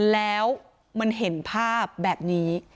แล้วมันเห็นภาพแบบนี้